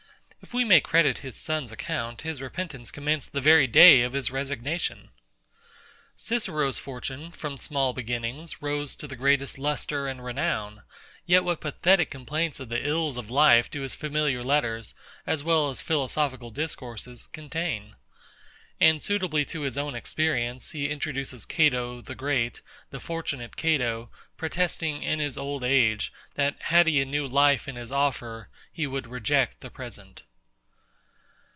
If we may credit his son's account, his repentance commenced the very day of his resignation. CICERO's fortune, from small beginnings, rose to the greatest lustre and renown; yet what pathetic complaints of the ills of life do his familiar letters, as well as philosophical discourses, contain? And suitably to his own experience, he introduces CATO, the great, the fortunate CATO, protesting in his old age, that had he a new life in his offer, he would reject the present.